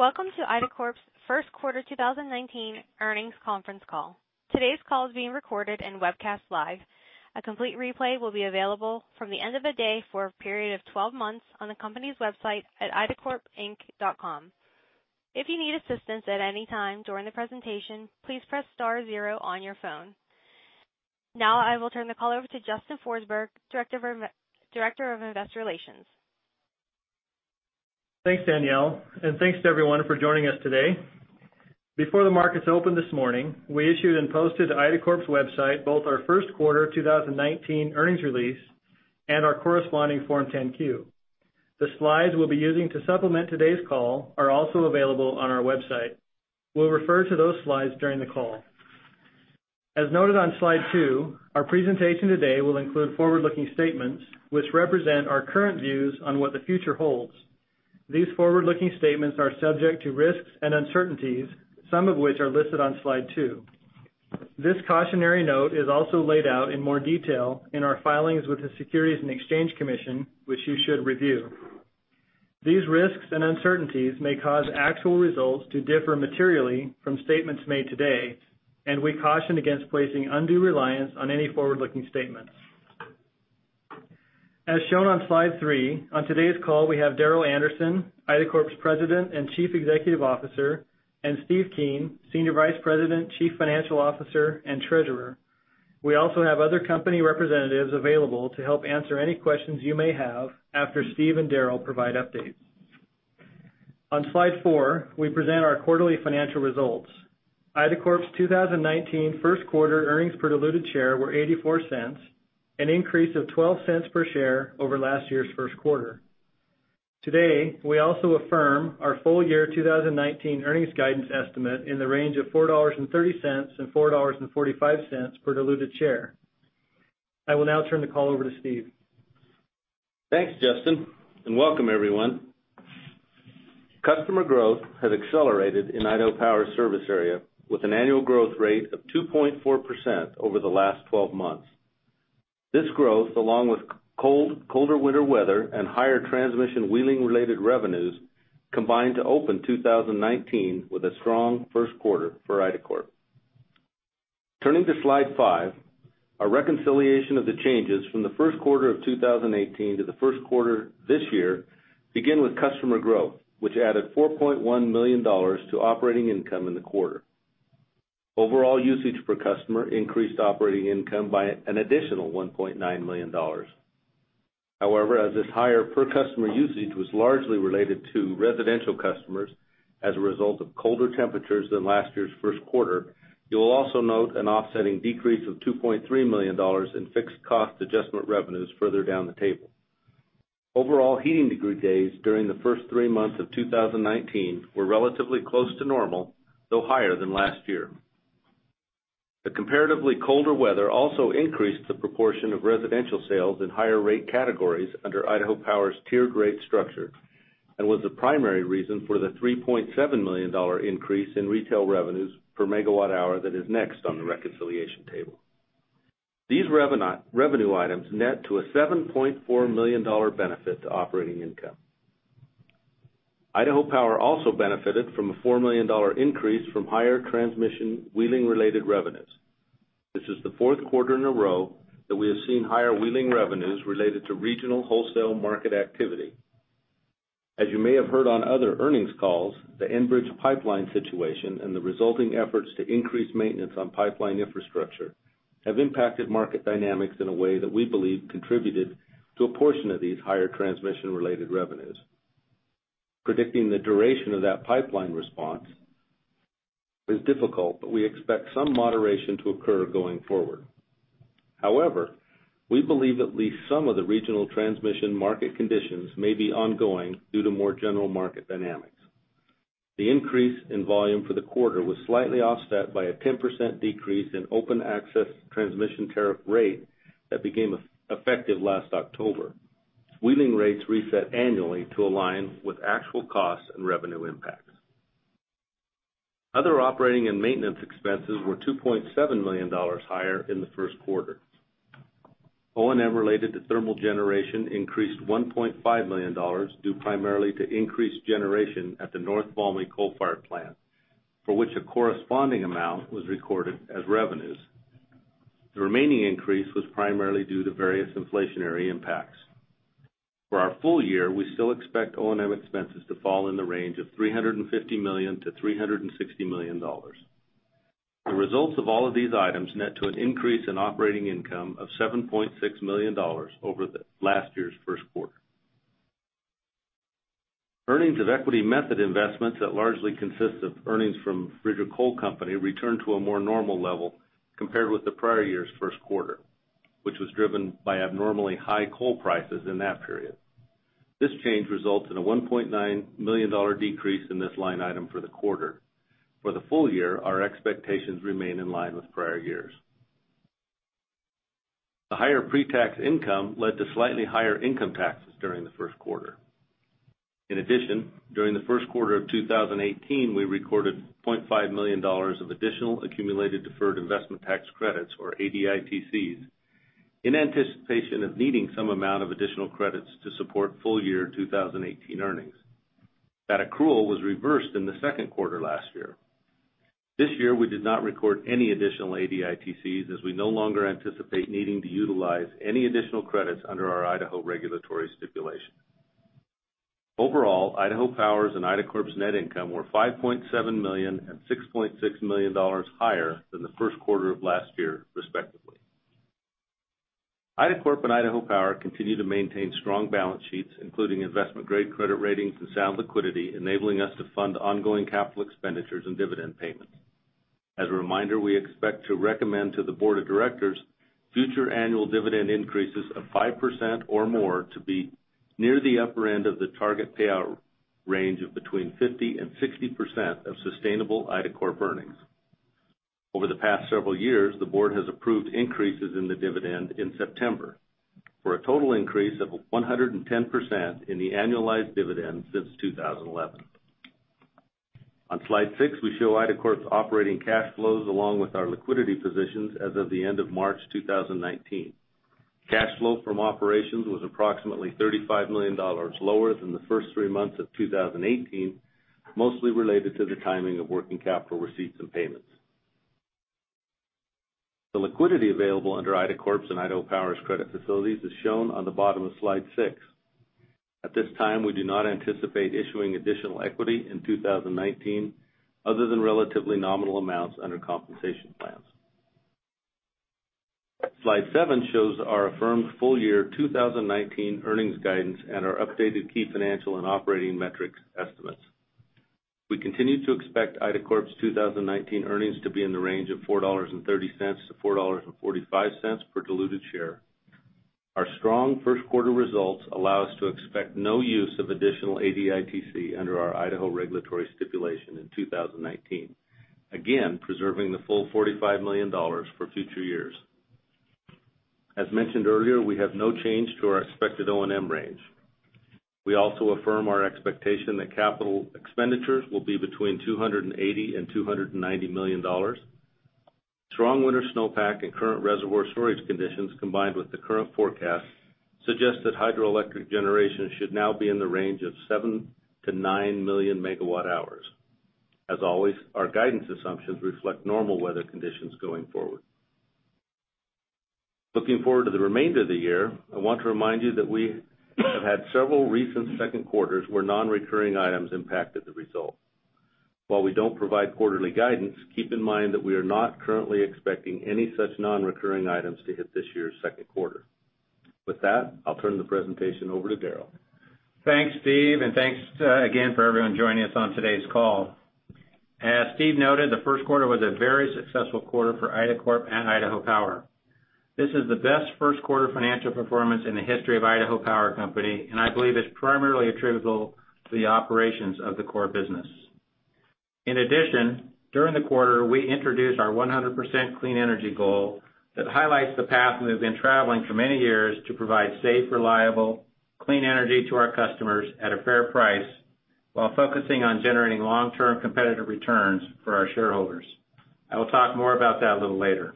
Welcome to IDACORP's first quarter 2019 earnings conference call. Today's call is being recorded and webcast live. A complete replay will be available from the end of the day for a period of 12 months on the company's website at idacorpinc.com. If you need assistance at any time during the presentation, please press star zero on your phone. Now I will turn the call over to Justin Forsberg, Director of Investor Relations. Thanks, Danielle. Thanks to everyone for joining us today. Before the markets opened this morning, we issued and posted to IDACORP's website both our first quarter 2019 earnings release and our corresponding Form 10-Q. The slides we'll be using to supplement today's call are also available on our website. We'll refer to those slides during the call. As noted on slide two, our presentation today will include forward-looking statements which represent our current views on what the future holds. These forward-looking statements are subject to risks and uncertainties, some of which are listed on slide two. This cautionary note is also laid out in more detail in our filings with the Securities and Exchange Commission, which you should review. These risks and uncertainties may cause actual results to differ materially from statements made today. We caution against placing undue reliance on any forward-looking statements. As shown on slide three, on today's call, we have Darrel Anderson, IDACORP's President and Chief Executive Officer, and Steven Keen, Senior Vice President, Chief Financial Officer, and Treasurer. We also have other company representatives available to help answer any questions you may have after Steve and Darrel provide updates. On slide four, we present our quarterly financial results. IDACORP's 2019 first quarter earnings per diluted share were $0.84, an increase of $0.12 per share over last year's first quarter. Today, we also affirm our full year 2019 earnings guidance estimate in the range of $4.30-$4.45 per diluted share. I will now turn the call over to Steve. Thanks, Justin. Welcome everyone. Customer growth has accelerated in Idaho Power service area with an annual growth rate of 2.4% over the last 12 months. This growth, along with colder winter weather and higher transmission wheeling-related revenues, combined to open 2019 with a strong first quarter for IDACORP. Turning to slide five, our reconciliation of the changes from the first quarter of 2018 to the first quarter this year begin with customer growth, which added $4.1 million to operating income in the quarter. Overall usage per customer increased operating income by an additional $1.9 million. However, as this higher per customer usage was largely related to residential customers as a result of colder temperatures than last year's first quarter, you will also note an offsetting decrease of $2.3 million in Fixed Cost Adjustment revenues further down the table. Overall heating degree days during the first three months of 2019 were relatively close to normal, though higher than last year. The comparatively colder weather also increased the proportion of residential sales in higher rate categories under Idaho Power's tiered rate structure and was the primary reason for the $3.7 million increase in retail revenues per megawatt hour that is next on the reconciliation table. These revenue items net to a $7.4 million benefit to operating income. Idaho Power also benefited from a $4 million increase from higher transmission wheeling-related revenues. This is the fourth quarter in a row that we have seen higher wheeling revenues related to regional wholesale market activity. As you may have heard on other earnings calls, the Enbridge pipeline situation and the resulting efforts to increase maintenance on pipeline infrastructure have impacted market dynamics in a way that we believe contributed to a portion of these higher transmission-related revenues. Predicting the duration of that pipeline response is difficult, we expect some moderation to occur going forward. However, we believe at least some of the regional transmission market conditions may be ongoing due to more general market dynamics. The increase in volume for the quarter was slightly offset by a 10% decrease in Open Access Transmission Tariff rate that became effective last October. Wheeling rates reset annually to align with actual costs and revenue impacts. Other operating and maintenance expenses were $2.7 million higher in the first quarter. O&M related to thermal generation increased $1.5 million due primarily to increased generation at the North Valmy Generating Station, for which a corresponding amount was recorded as revenues. The remaining increase was primarily due to various inflationary impacts. For our full year, we still expect O&M expenses to fall in the range of $350 million-$360 million. The results of all of these items net to an increase in operating income of $7.6 million over last year's first quarter. Earnings of equity method investments that largely consist of earnings from Bridger Coal Company returned to a more normal level compared with the prior year's first quarter, which was driven by abnormally high coal prices in that period. This change results in a $1.9 million decrease in this line item for the quarter. For the full year, our expectations remain in line with prior years. The higher pre-tax income led to slightly higher income taxes during the first quarter. In addition, during the first quarter of 2018, we recorded $0.5 million of additional Accumulated Deferred Investment Tax Credits, or ADITCs. In anticipation of needing some amount of additional credits to support full year 2018 earnings. That accrual was reversed in the second quarter last year. This year, we did not record any additional ADITCs as we no longer anticipate needing to utilize any additional credits under our Idaho regulatory stipulation. Overall, Idaho Power's and IDACORP's net income were $5.7 million and $6.6 million higher than the first quarter of last year, respectively. IDACORP and Idaho Power continue to maintain strong balance sheets, including investment-grade credit ratings and sound liquidity, enabling us to fund ongoing capital expenditures and dividend payments. As a reminder, we expect to recommend to the board of directors future annual dividend increases of 5% or more to be near the upper end of the target payout range of between 50% and 60% of sustainable IDACORP earnings. Over the past several years, the board has approved increases in the dividend in September, for a total increase of 110% in the annualized dividend since 2011. On slide six, we show IDACORP's operating cash flows along with our liquidity positions as of the end of March 2019. Cash flow from operations was approximately $35 million lower than the first three months of 2018, mostly related to the timing of working capital receipts and payments. The liquidity available under IDACORP's and Idaho Power's credit facilities is shown on the bottom of slide six. At this time, we do not anticipate issuing additional equity in 2019 other than relatively nominal amounts under compensation plans. Slide seven shows our affirmed full year 2019 earnings guidance and our updated key financial and operating metrics estimates. We continue to expect IDACORP's 2019 earnings to be in the range of $4.30 to $4.45 per diluted share. Our strong first quarter results allow us to expect no use of additional ADITC under our Idaho regulatory stipulation in 2019, again, preserving the full $45 million for future years. As mentioned earlier, we have no change to our expected O&M range. We also affirm our expectation that capital expenditures will be between $280 million and $290 million. Strong winter snowpack and current reservoir storage conditions, combined with the current forecast, suggest that hydroelectric generation should now be in the range of seven to nine million megawatt hours. As always, our guidance assumptions reflect normal weather conditions going forward. Looking forward to the remainder of the year, I want to remind you that we have had several recent second quarters where non-recurring items impacted the result. While we don't provide quarterly guidance, keep in mind that we are not currently expecting any such non-recurring items to hit this year's second quarter. With that, I'll turn the presentation over to Darrel. Thanks, Steven, and thanks again for everyone joining us on today's call. As Steven noted, the first quarter was a very successful quarter for IDACORP and Idaho Power. This is the best first quarter financial performance in the history of Idaho Power Company, and I believe it's primarily attributable to the operations of the core business. In addition, during the quarter, we introduced our 100% clean energy goal that highlights the path we've been traveling for many years to provide safe, reliable, clean energy to our customers at a fair price while focusing on generating long-term competitive returns for our shareholders. I will talk more about that a little later.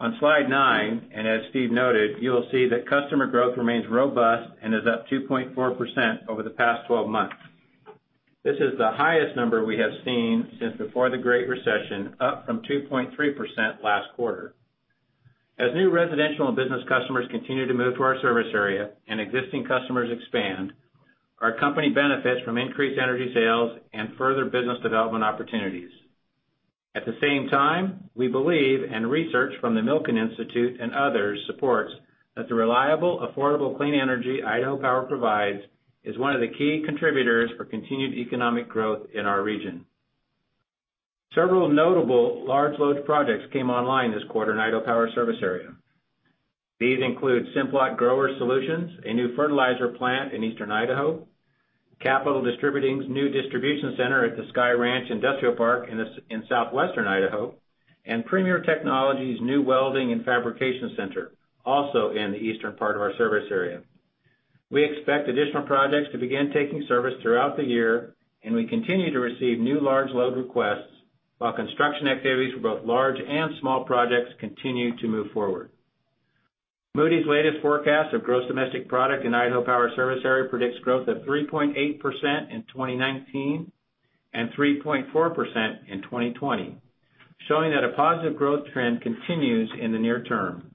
On slide nine, and as Steven noted, you will see that customer growth remains robust and is up 2.4% over the past 12 months. This is the highest number we have seen since before the Great Recession, up from 2.3% last quarter. As new residential and business customers continue to move to our service area and existing customers expand, our company benefits from increased energy sales and further business development opportunities. At the same time, we believe, and research from the Milken Institute and others supports, that the reliable, affordable, clean energy Idaho Power provides is one of the key contributors for continued economic growth in our region. Several notable large load projects came online this quarter in Idaho Power service area. These include Simplot Grower Solutions, a new fertilizer plant in eastern Idaho, Capitol Distributing's new distribution center at the Sky Ranch Industrial Park in southwestern Idaho, and Premier Technology's new welding and fabrication center, also in the eastern part of our service area. We expect additional projects to begin taking service throughout the year, and we continue to receive new large load requests while construction activities for both large and small projects continue to move forward. Moody's latest forecast of gross domestic product in Idaho Power service area predicts growth of 3.8% in 2019 and 3.4% in 2020, showing that a positive growth trend continues in the near term.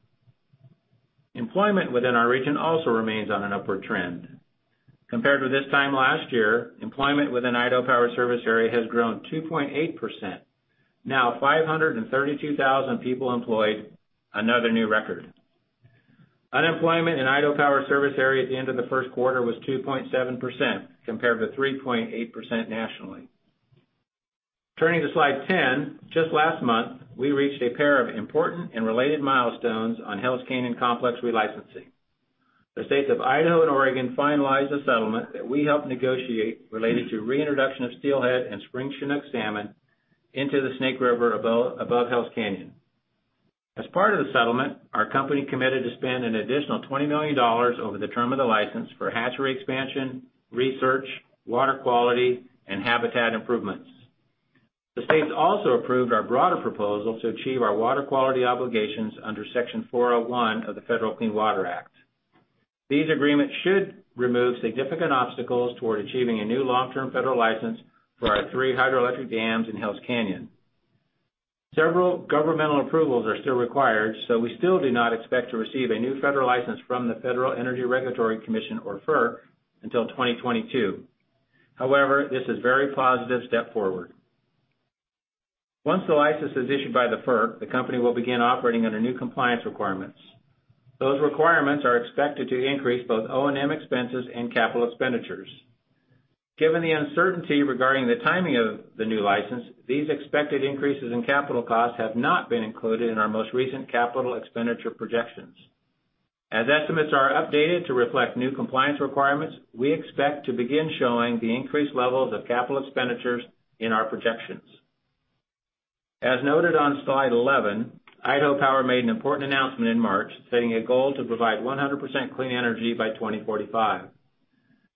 Employment within our region also remains on an upward trend. Compared to this time last year, employment within Idaho Power service area has grown 2.8%, now 532,000 people employed. Another new record. Unemployment in Idaho Power service area at the end of the first quarter was 2.7%, compared to 3.8% nationally. Turning to slide 10, just last month, we reached a pair of important and related milestones on Hells Canyon Complex relicensing. The states of Idaho and Oregon finalized a settlement that we helped negotiate related to reintroduction of steelhead and spring Chinook salmon into the Snake River above Hells Canyon. As part of the settlement, our company committed to spend an additional $20 million over the term of the license for hatchery expansion, research, water quality, and habitat improvements. The states also approved our broader proposal to achieve our water quality obligations under Section 401 of the Federal Clean Water Act. These agreements should remove significant obstacles toward achieving a new long-term federal license for our three hydroelectric dams in Hells Canyon. Several governmental approvals are still required, so we still do not expect to receive a new federal license from the Federal Energy Regulatory Commission, or FERC, until 2022. However, this is very positive step forward. Once the license is issued by the FERC, the company will begin operating under new compliance requirements. Those requirements are expected to increase both O&M expenses and capital expenditures. Given the uncertainty regarding the timing of the new license, these expected increases in capital costs have not been included in our most recent capital expenditure projections. As estimates are updated to reflect new compliance requirements, we expect to begin showing the increased levels of capital expenditures in our projections. As noted on slide 11, Idaho Power made an important announcement in March, setting a goal to provide 100% clean energy by 2045.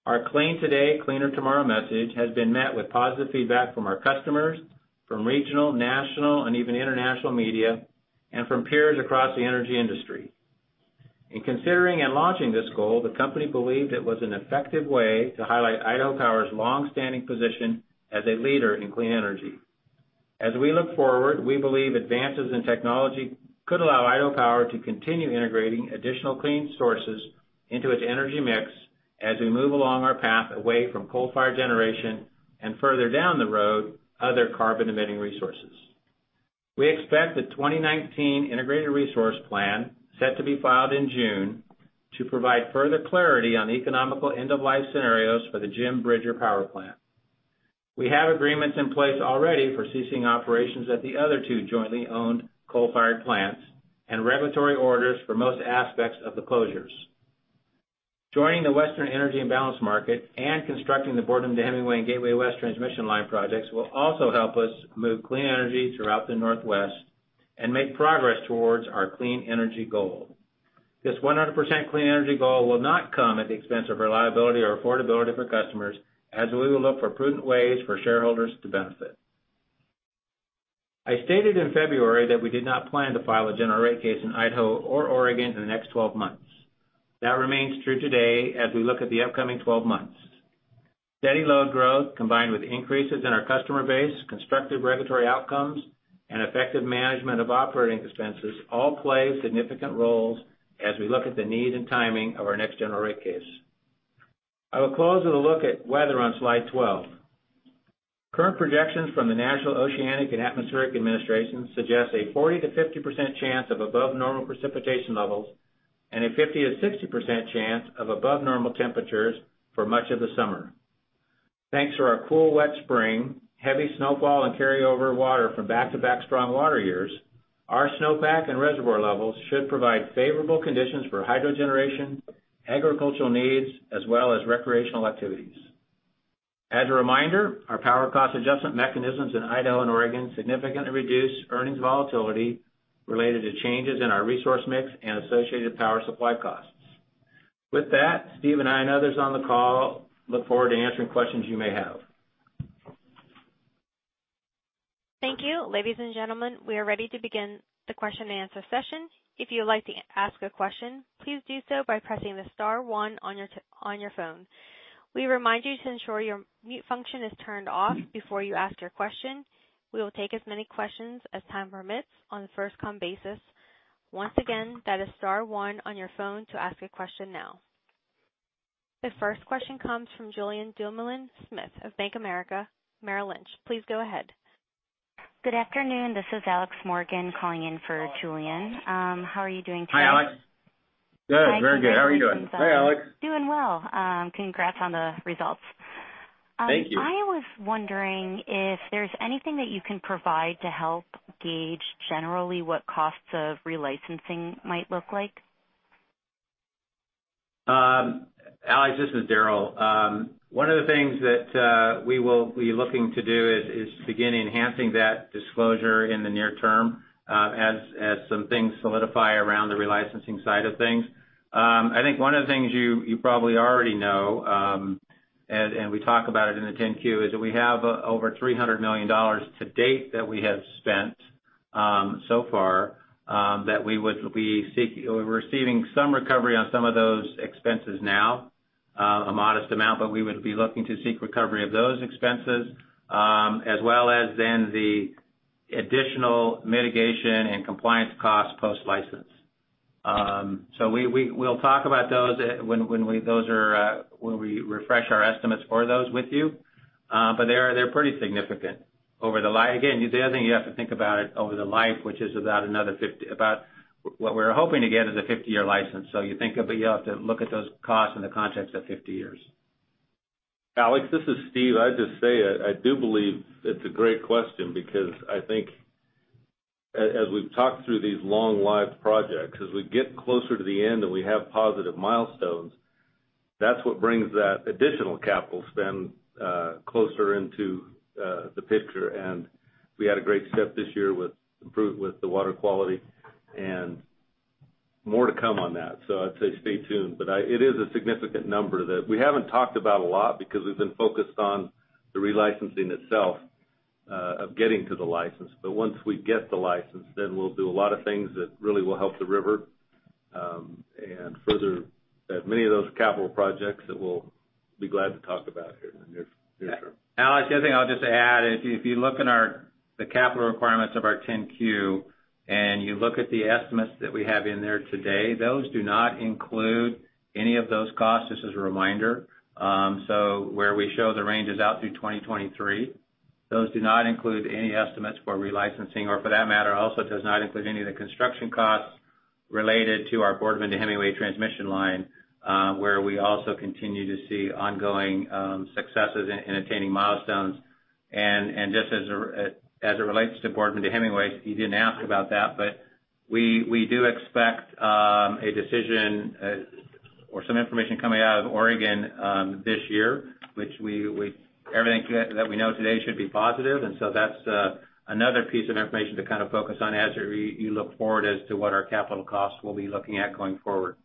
Our clean today, cleaner tomorrow message has been met with positive feedback from our customers, from regional, national, and even international media, and from peers across the energy industry. In considering and launching this goal, the company believed it was an effective way to highlight Idaho Power's long-standing position as a leader in clean energy. As we look forward, we believe advances in technology could allow Idaho Power to continue integrating additional clean sources into its energy mix as we move along our path away from coal-fired generation and further down the road, other carbon-emitting resources. We expect the 2019 Integrated Resource Plan set to be filed in June to provide further clarity on economical end-of-life scenarios for the Jim Bridger Power Plant. We have agreements in place already for ceasing operations at the other two jointly owned coal-fired plants and regulatory orders for most aspects of the closures. Joining the Western Energy Imbalance Market and constructing the Boardman to Hemingway and Gateway West transmission line projects will also help us move clean energy throughout the Northwest and make progress towards our clean energy goal. This 100% clean energy goal will not come at the expense of reliability or affordability for customers, as we will look for prudent ways for shareholders to benefit. I stated in February that we did not plan to file a general rate case in Idaho or Oregon in the next 12 months. That remains true today as we look at the upcoming 12 months. Steady load growth, combined with increases in our customer base, constructive regulatory outcomes, and effective management of operating expenses all play significant roles as we look at the need and timing of our next general rate case. I will close with a look at weather on slide 12. Current projections from the National Oceanic and Atmospheric Administration suggest a 40%-50% chance of above normal precipitation levels and a 50%-60% chance of above normal temperatures for much of the summer. Thanks to our cool, wet spring, heavy snowfall, and carryover water from back-to-back strong water years, our snowpack and reservoir levels should provide favorable conditions for hydro generation, agricultural needs, as well as recreational activities. As a reminder, our power cost adjustment mechanisms in Idaho and Oregon significantly reduce earnings volatility related to changes in our resource mix and associated power supply costs. With that, Steve and I and others on the call look forward to answering questions you may have. Thank you. Ladies and gentlemen, we are ready to begin the question and answer session. If you would like to ask a question, please do so by pressing the star one on your phone. We remind you to ensure your mute function is turned off before you ask your question. We will take as many questions as time permits on a first-come basis. Once again, that is star one on your phone to ask a question now. The first question comes from Julien Dumoulin-Smith of Bank of America Merrill Lynch. Please go ahead. Good afternoon. This is Alex Morgan calling in for Julien. How are you doing today? Hi, Alex. Good. Very good. How are you doing? Hey, Alex. Doing well. Congrats on the results. Thank you. I was wondering if there's anything that you can provide to help gauge generally what costs of relicensing might look like. Alex, this is Darryl. One of the things that we will be looking to do is begin enhancing that disclosure in the near term as some things solidify around the relicensing side of things. I think one of the things you probably already know, and we talk about it in the 10-Q, is that we have over $300 million to date that we have spent so far that we would be receiving some recovery on some of those expenses now. A modest amount, but we would be looking to seek recovery of those expenses as well as then the additional mitigation and compliance costs post-license. We'll talk about those when we refresh our estimates for those with you. They're pretty significant. Again, the other thing, you have to think about it over the life, which is about, what we're hoping to get is a 50-year license. You have to look at those costs in the context of 50 years. Alex, this is Steve. I'd just say I do believe it's a great question because I think as we've talked through these long-lived projects, as we get closer to the end and we have positive milestones, that's what brings that additional capital spend closer into the picture. We had a great step this year with the water quality and. More to come on that. I'd say stay tuned. It is a significant number that we haven't talked about a lot because we've been focused on the re-licensing itself, of getting to the license. Once we get the license, then we'll do a lot of things that really will help the river, and further, that many of those are capital projects that we'll be glad to talk about here. Your turn. Alex, the other thing I'll just add is if you look in the capital requirements of our 10-Q, and you look at the estimates that we have in there today, those do not include any of those costs. Just as a reminder. Where we show the ranges out through 2023, those do not include any estimates for re-licensing or for that matter, also does not include any of the construction costs related to our Boardman to Hemingway transmission line, where we also continue to see ongoing successes in attaining milestones. Just as it relates to Boardman to Hemingway, you didn't ask about that, but we do expect a decision or some information coming out of Oregon this year. Everything that we know today should be positive. That's another piece of information to kind of focus on as you look forward as to what our capital costs will be looking at going forward.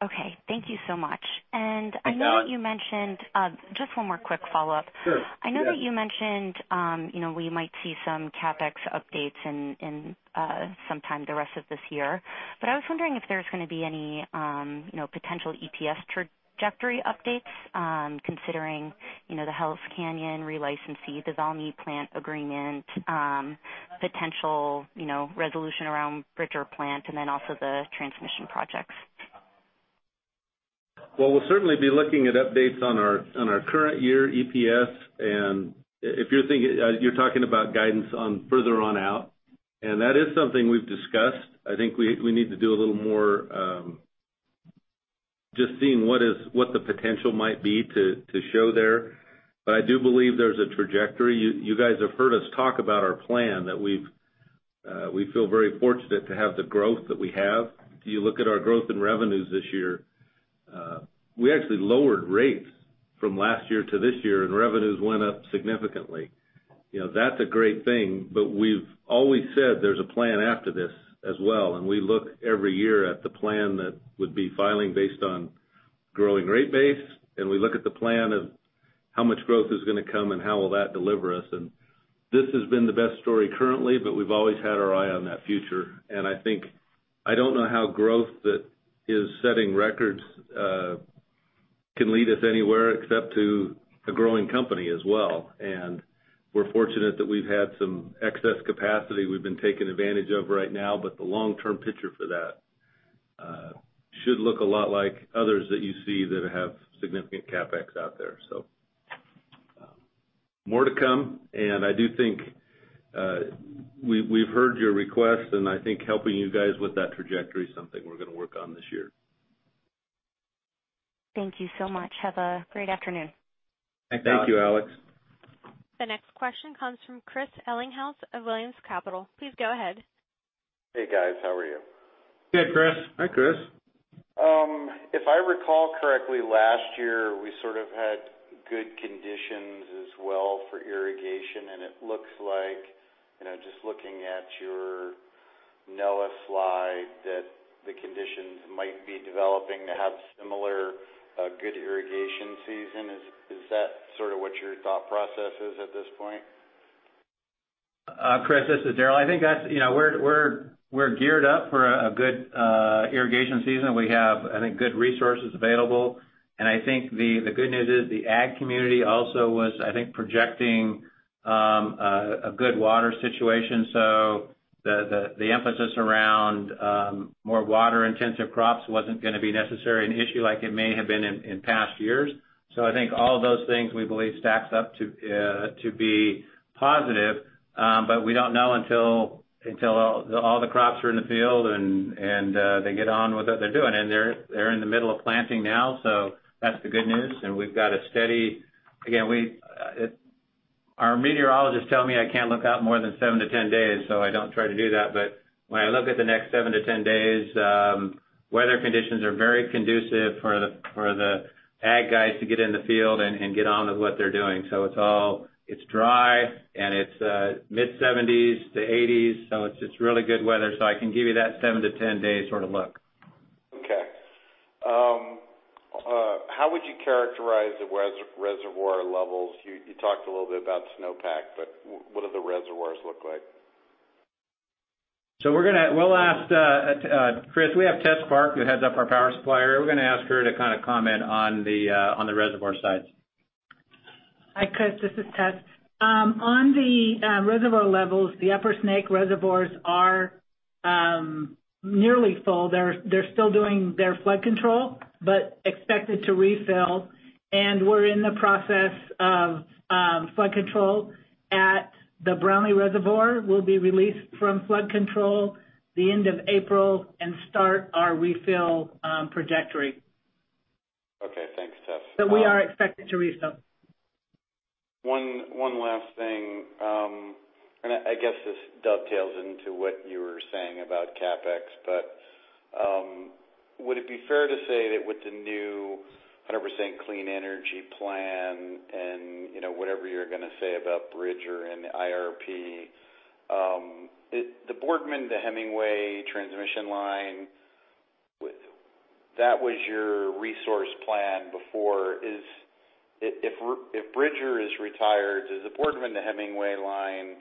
Okay. Thank you so much. Hey, Alex. Just one more quick follow-up. Sure, yes. I know that you mentioned we might see some CapEx updates in sometime the rest of this year, but I was wondering if there's going to be any potential EPS trajectory updates, considering the Hells Canyon re-licensee, the Valmy plant agreement, potential resolution around Bridger Plant, and then also the transmission projects. Well, we'll certainly be looking at updates on our current year EPS. If you're talking about guidance on further on out, and that is something we've discussed, I think we need to do a little more just seeing what the potential might be to show there. I do believe there's a trajectory. You guys have heard us talk about our plan that we feel very fortunate to have the growth that we have. If you look at our growth in revenues this year, we actually lowered rates from last year to this year, and revenues went up significantly. That's a great thing, but we've always said there's a plan after this as well, and we look every year at the plan that would be filing based on growing rate base, and we look at the plan of how much growth is going to come and how will that deliver us. This has been the best story currently, but we've always had our eye on that future. I think, I don't know how growth that is setting records can lead us anywhere except to a growing company as well. We're fortunate that we've had some excess capacity we've been taking advantage of right now. The long-term picture for that should look a lot like others that you see that have significant CapEx out there. More to come, and I do think we've heard your request, and I think helping you guys with that trajectory is something we're going to work on this year. Thank you so much. Have a great afternoon. Thank you, Alex. Thank you, Alex. The next question comes from Chris Ellinghaus of Williams Capital. Please go ahead. Hey, guys. How are you? Good, Chris. Hi, Chris. If I recall correctly, last year, we sort of had good conditions as well for irrigation, and it looks like, just looking at your NOAA slide, that the conditions might be developing to have similar good irrigation season. Is that sort of what your thought process is at this point? Chris, this is Darrell. I think we're geared up for a good irrigation season. We have, I think, good resources available, and I think the good news is the ag community also was, I think projecting a good water situation. The emphasis around more water-intensive crops wasn't going to be necessarily an issue like it may have been in past years. I think all of those things we believe stacks up to be positive. We don't know until all the crops are in the field, and they get on with what they're doing. They're in the middle of planting now, so that's the good news, and we've got a steady Again, our meteorologists tell me I can't look out more than seven to 10 days, so I don't try to do that. When I look at the next seven to 10 days, weather conditions are very conducive for the ag guys to get in the field and get on with what they're doing. It's dry, and it's mid-70s to 80s, so it's just really good weather. I can give you that seven to 10-day sort of look. Okay. How would you characterize the reservoir levels? You talked a little bit about snowpack, but what do the reservoirs look like? Chris, we have Tess Park, who heads up our power supplier. We're going to ask her to comment on the reservoir sites. Hi, Chris. This is Tess. On the reservoir levels, the Upper Snake reservoirs are nearly full. They're still doing their flood control, but expected to refill, and we're in the process of flood control at the Brownlee Reservoir. We'll be released from flood control the end of April and start our refill trajectory. Okay. Thanks, Tess. We are expected to refill. One last thing, I guess this dovetails into what you were saying about CapEx, but would it be fair to say that with the new 100% clean energy plan and whatever you're going to say about Bridger and the IRP, the Boardman to Hemingway transmission line, that was your resource plan before. If Bridger is retired, does the Boardman to Hemingway line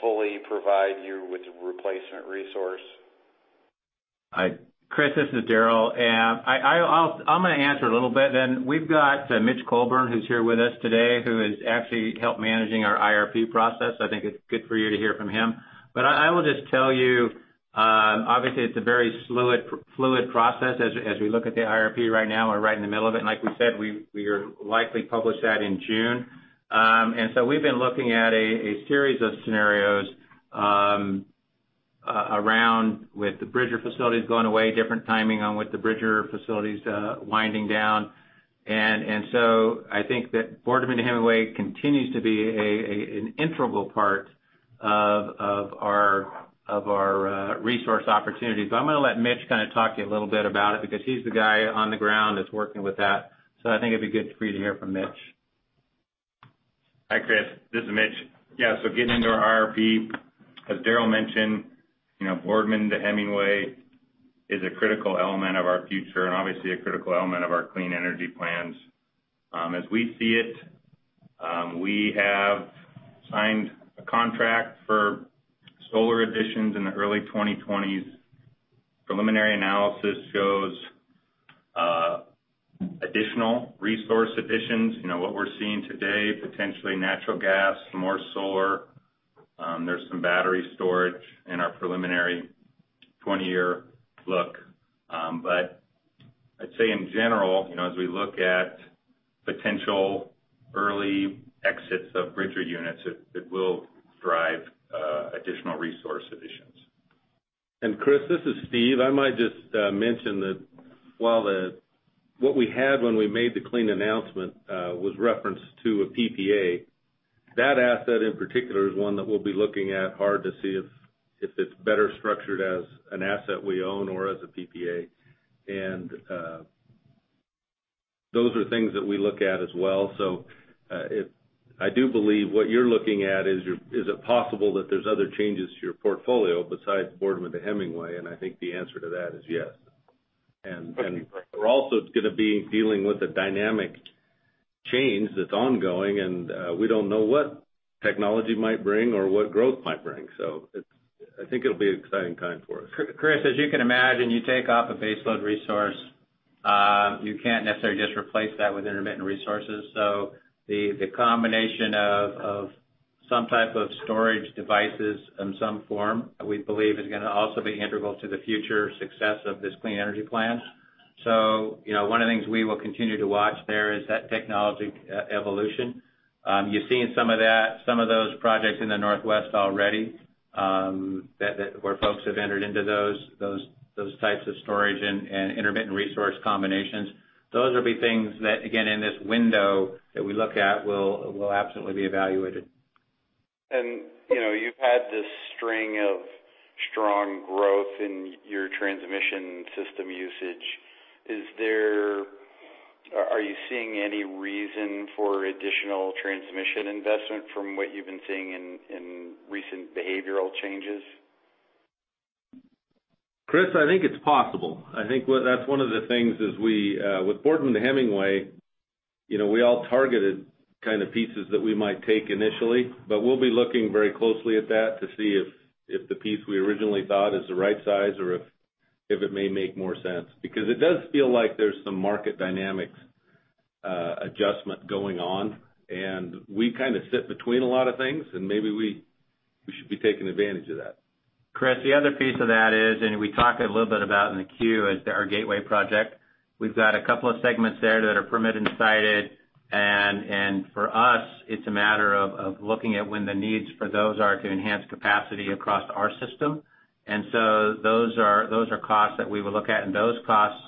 fully provide you with the replacement resource? Chris, this is Daryl, I'm going to answer a little bit, then we've got Mitch Colburn, who's here with us today, who has actually helped managing our IRP process. I think it's good for you to hear from him. I will just tell you, obviously, it's a very fluid process as we look at the IRP right now. We're right in the middle of it. Like we said, we will likely publish that in June. So we've been looking at a series of scenarios around with the Bridger facilities going away, different timing on with the Bridger facilities winding down. So I think that Boardman to Hemingway continues to be an integral part of our resource opportunities. I'm going to let Mitch kind of talk to you a little bit about it because he's the guy on the ground that's working with that. I think it'd be good for you to hear from Mitch. Hi, Chris. This is Mitch. Getting into our IRP, as Darrel mentioned, Boardman to Hemingway is a critical element of our future and obviously a critical element of our clean energy plans. As we see it, we have signed a contract for solar additions in the early 2020s. Preliminary analysis shows additional resource additions. What we're seeing today, potentially natural gas, more solar. There's some battery storage in our preliminary 20-year look. I'd say in general, as we look at potential early exits of Bridger units, it will drive additional resource additions. Chris, this is Steve. I might just mention that while what we had when we made the clean announcement was referenced to a PPA, that asset in particular is one that we'll be looking at hard to see if it's better structured as an asset we own or as a PPA. Those are things that we look at as well. I do believe what you're looking at is it possible that there's other changes to your portfolio besides Boardman to Hemingway? I think the answer to that is yes. Okay. We're also going to be dealing with a dynamic change that's ongoing, and we don't know what technology might bring or what growth might bring. I think it'll be an exciting time for us. Chris, as you can imagine, you take off a baseload resource, you can't necessarily just replace that with intermittent resources. The combination of some type of storage devices in some form, we believe is going to also be integral to the future success of this clean energy plan. One of the things we will continue to watch there is that technology evolution. You're seeing some of those projects in the Northwest already, where folks have entered into those types of storage and intermittent resource combinations. Those will be things that, again, in this window that we look at, will absolutely be evaluated. You've had this string of strong growth in your transmission system usage. Are you seeing any reason for additional transmission investment from what you've been seeing in recent behavioral changes? Chris, I think it's possible. I think that's one of the things is with Boardman to Hemingway, we all targeted kind of pieces that we might take initially. We'll be looking very closely at that to see if the piece we originally thought is the right size or if it may make more sense. It does feel like there's some market dynamics adjustment going on, and we kind of sit between a lot of things, and maybe we should be taking advantage of that. Chris, the other piece of that is, we talked a little bit about in the queue, is our Gateway project. We've got a couple of segments there that are permit and sited, and for us, it's a matter of looking at when the needs for those are to enhance capacity across our system. Those are costs that we would look at, and those costs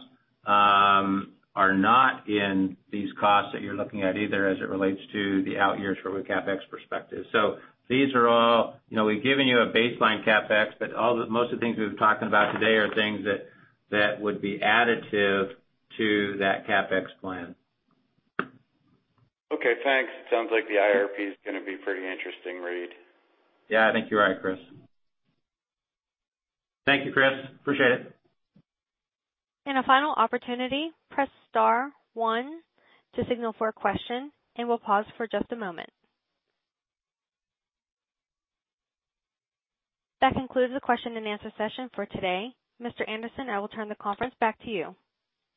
are not in these costs that you're looking at either as it relates to the out years from a CapEx perspective. We've given you a baseline CapEx, most of the things we've been talking about today are things that would be additive to that CapEx plan. Okay, thanks. Sounds like the IRP is going to be a pretty interesting read. Yeah, I think you're right, Chris. Thank you, Chris. Appreciate it. A final opportunity, press star one to signal for a question, and we'll pause for just a moment. That concludes the question and answer session for today. Mr. Anderson, I will turn the conference back to you.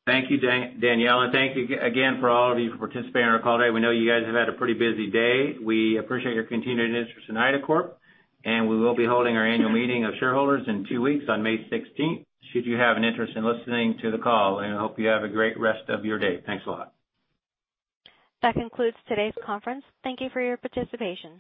Thank you, Danielle, and thank you again for all of you for participating on our call today. We know you guys have had a pretty busy day. We appreciate your continued interest in IDACORP, Inc., and we will be holding our annual meeting of shareholders in two weeks on May 16th should you have an interest in listening to the call, and I hope you have a great rest of your day. Thanks a lot. That concludes today's conference. Thank you for your participation.